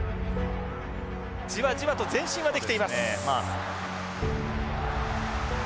じわじわと前進はできています。